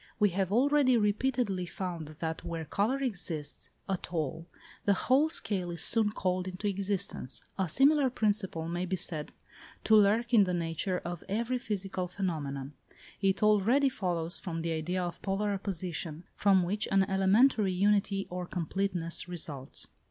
We have already repeatedly found that where colour exists at all, the whole scale is soon called into existence; a similar principle may be said to lurk in the nature of every physical phenomenon; it already follows, from the idea of polar opposition, from which an elementary unity or completeness results.